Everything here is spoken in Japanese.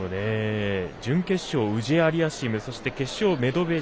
準決勝、ウジェアリアシムそして、決勝メドべー